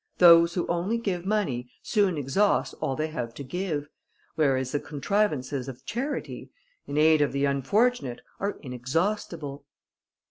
Those who only give money soon exhaust all they have to give, whereas the contrivances of charity, in aid of the unfortunate, are inexhaustible."